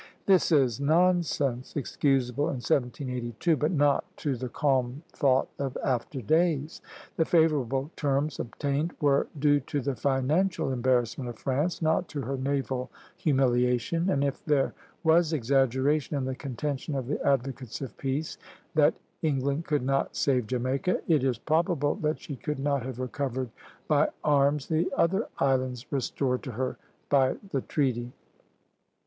This is nonsense, excusable in 1782, but not to the calm thought of after days. The favorable terms obtained were due to the financial embarrassment of France, not to her naval humiliation; and if there was exaggeration in the contention of the advocates of peace that England could not save Jamaica, it is probable that she could not have recovered by arms the other islands restored to her by the treaty.